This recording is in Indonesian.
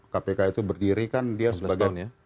kpk itu berdiri kan dia sebagai